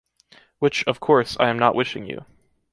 Which, of course, I am not wishing you...